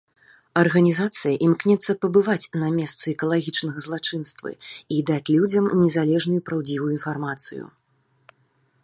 Арганізацыя імкнецца пабываць на месцы экалагічнага злачынствы і даць людзям незалежную і праўдзівую інфармацыю.